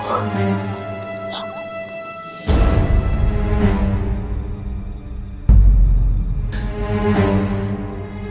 pasti aku bisa berlindung ke situ